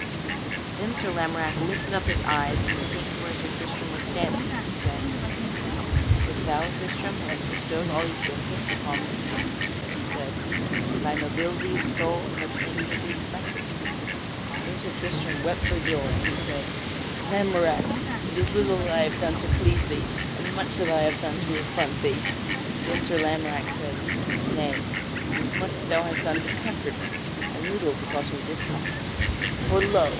Then Sir Lamorack lifted up his eyes and he came to where Sir Tristram was standing and he said: "Is it thou, Tristram, who hath bestowed all these benefits upon me?" And he said: "From thy nobility of soul such things may be expected." [Sidenote: Sir Tristram and Sir Lamorack are reconciled] Then Sir Tristram wept for joy, and he said: "Lamorack, it is little that I have done to pleasure thee, and much that I have done to affront thee." Then Sir Lamorack said: "Nay; it is much that thou hast done to comfort me, and little to cause me discomfort. For lo!